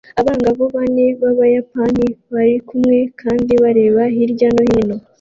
Abangavu bane b'Abayapani barikumwe kandi bareba hirya no hino